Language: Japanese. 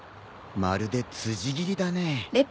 まるで辻斬りだね。